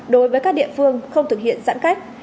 đối với các địa phương không thực hiện giãn cách